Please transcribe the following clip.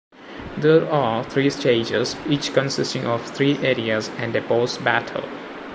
There are three stages, each consisting of three areas and a boss battle.